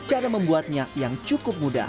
cara membuatnya yang cukup mudah